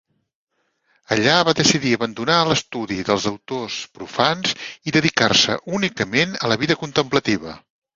Allà va decidir abandonar l'estudi dels autors profans i dedicar-se únicament a la vida contemplativa.